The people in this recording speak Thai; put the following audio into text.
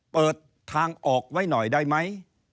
เปิดทางออกไว้หน่อยได้ไหม